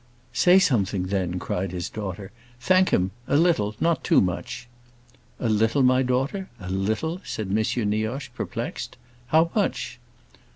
"Say something, then," cried his daughter. "Thank him a little—not too much." "A little, my daughter, a little?" said M. Nioche perplexed. "How much?"